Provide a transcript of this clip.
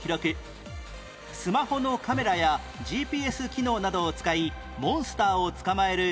スマホのカメラや ＧＰＳ 機能などを使いモンスターを捕まえる